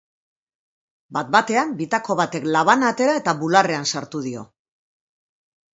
Bat-batean bietako batek labana atera eta bularrean sartu dio.